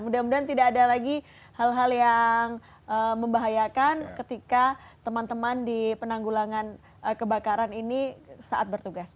mudah mudahan tidak ada lagi hal hal yang membahayakan ketika teman teman di penanggulangan kebakaran ini saat bertugas